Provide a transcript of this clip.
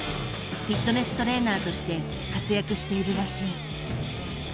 フィットネストレーナーとして活躍しているらしい。